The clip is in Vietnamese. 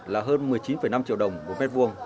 là hơn một mươi chín năm triệu đồng một mét vuông